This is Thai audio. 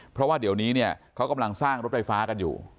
เพราะว่าเดี๋ยวนี้เนี่ยเขากำลังสร้างรถไฟฟ้ากันอยู่